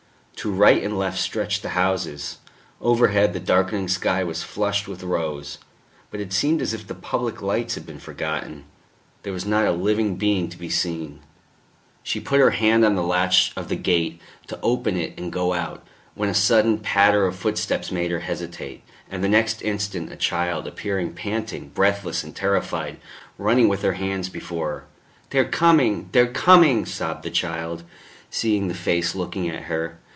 To right and left stretched the houses, overhead the darkening sky was flushed with rose; but it seemed as if the public lights had been forgotten. There was not a living being to be seen. She had put her hand on the latch of the gate, to open it and go out, when a sudden patter of footsteps made her hesitate; and the next instant a child appeared panting, breathless and terrified, running with her hands before her. "They're coming, they're coming," sobbed the child, seeing the face looking at her.